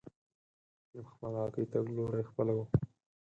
د خپلواکۍ تګلوري خپله وه.